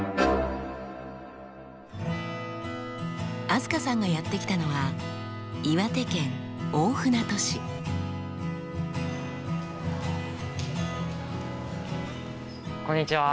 飛鳥さんがやって来たのはこんにちは。